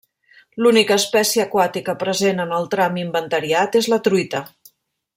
L'única espècie aquàtica present en el tram inventariat és la truita.